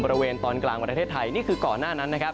บริเวณตอนกลางประเทศไทยนี่คือก่อนหน้านั้นนะครับ